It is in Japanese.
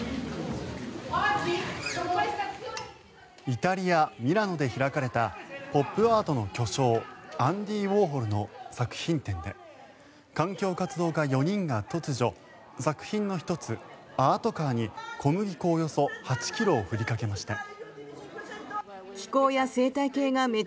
イタリア・ミラノで開かれたポップアートの巨匠アンディ・ウォーホルの作品展で環境活動家４人が突如作品の１つ、アートカーに小麦粉およそ８ｋｇを振りかけました。